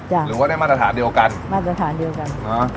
หรือว่าได้มาตรฐานเดียวกันมาตรฐานเดียวกันฮะ